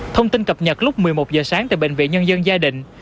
thông tin cập nhật lúc một mươi một h sáng tại bệnh viện nhân dân gia đình